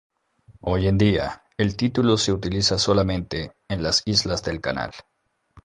Hoy en día, el título se utiliza solamente en las Islas del Canal.